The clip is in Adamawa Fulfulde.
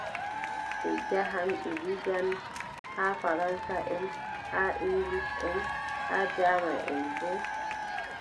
Ɓe njaahan ɓe liggan, haa faransaʼen haa iŋgilisʼen haa jaamanʼen boo .